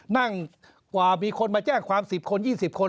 นั่งกว่ามีคนมาแจ้งความ๑๐คน๒๐คน